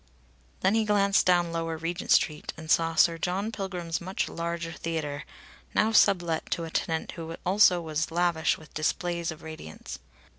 Then he glanced down Lower Regent Street and saw Sir John Pilgrim's much larger theatre, now sublet to a tenant who also was lavish with displays of radiance.